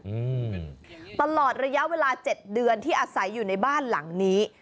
อืมตลอดระยะเวลาเจ็ดเดือนที่อาศัยอยู่ในบ้านหลังนี้